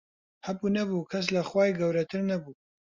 هەبوو نەبوو کەس لە خوای گەورەتر نەبوو